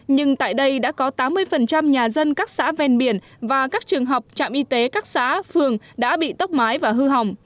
nhưng tại đây đã có tám mươi nhà dân các xã ven biển và các trường học trạm y tế các xã phường đã bị tốc mái và hư hỏng